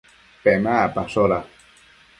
Pemacpashoda